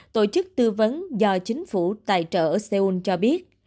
tổ chức tư vấn do chính phủ tài trợ ở seoul cho biết